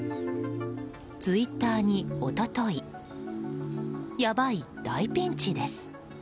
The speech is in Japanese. ツイッターに、一昨日「やばい大ピンチです」。